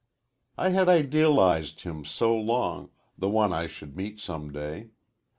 I had idealized him so long the one I should meet some day.